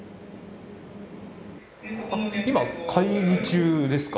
今、会議中ですか？